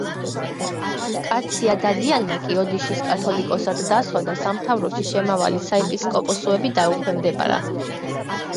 კაცია დადიანმა კი ოდიშის კათოლიკოსად დასვა და სამთავროში შემავალი საეპისკოპოსოები დაუქვემდებარა.